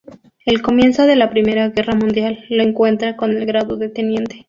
El comienzo de la Primera Guerra Mundial lo encuentra con el grado de teniente.